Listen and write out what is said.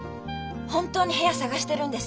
本当に部屋探してるんです。